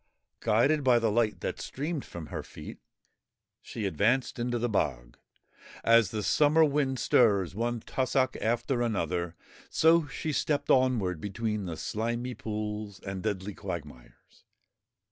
Guided by the light that streamed from her feet, she advanced into the bog. As the summer wind stirs one tussock after another, so she stepped onward between the slimy ponds and deadly quag mires.